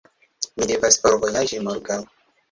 Mi devas forvojaĝi morgaŭ.